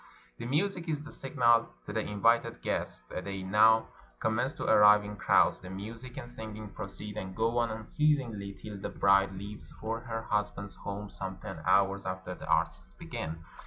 The music is the signal to the invited guests; they now commence to arrive in crowds. The music and singing proceed, and go on unceasingly till the bride leaves for 417 PERSIA her husband's home some ten hours after the artists begin.